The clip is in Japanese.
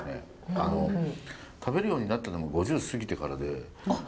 あの食べるようになったのも５０過ぎてからで。甘いものですか。